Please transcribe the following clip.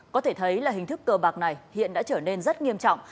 có thể thấy là hình thức cờ bạc này hiện đã trở nên rất nghiêm trọng